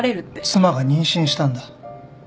妻が妊娠したんだ